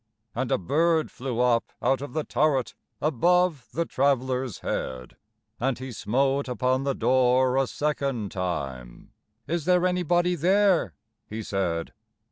And a bird flew up out of the turret, Above the traveler's head: And he smote upon the door a second time; "Is there anybody there?" he said.